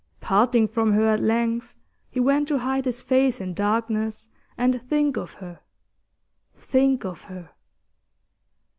Parting from her at length, he went to hide his face in darkness and think of her think of her.